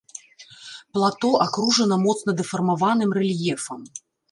Плато акружана моцна дэфармаваным рэльефам.